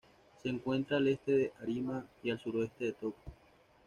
Se encuentra al este de Arima y al suroeste de Toco.